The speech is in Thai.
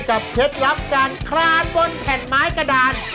กับเฒ็กสรรพการคลานบนแผ่นไม้กระดาน